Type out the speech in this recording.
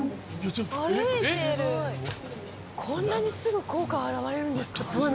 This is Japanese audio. こんなにすぐ効果が表れるんですか！